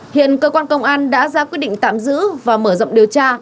hiện cơ quan công an đã ra quyết định tạm giữ và mở rộng điều tra